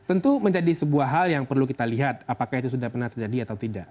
tentu menjadi sebuah hal yang perlu kita lihat apakah itu sudah pernah terjadi atau tidak